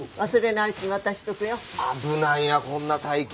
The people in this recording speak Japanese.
危ないなこんな大金。